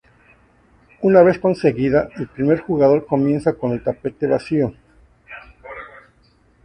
Una vez conseguida, el primer jugador comienza con el tapete vacío.